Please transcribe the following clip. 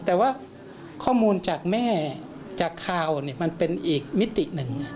แต่ว่าข้อมูลจากแม่จากข่าวมันเป็นอีกมิติหนึ่ง